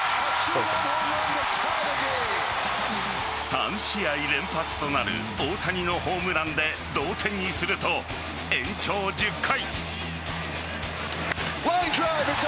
３試合連発となる大谷のホームランで同点にすると延長１０回。